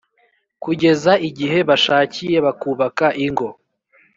kugeza igihe bashakiye bakubaka ingo.